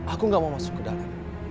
aku gak mau masuk ke dalam